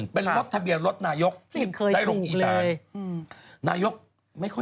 เป็นรถทะเบียนรถนายกจากลุ่มอินทรารณ์ไม่ซ่อนมาแล้ว